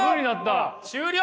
終了！